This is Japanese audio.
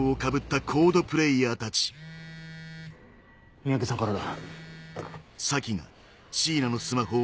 三宅さんからだ。